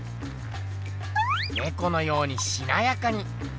ねこのようにしなやかに。